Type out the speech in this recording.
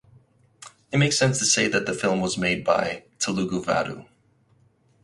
It makes sense to say that the film was made by "Telugu Vadu".